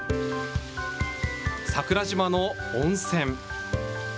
桜島の温泉。